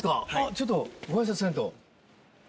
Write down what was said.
ちょっとご挨拶せんと。